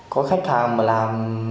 có khách hàng mà làm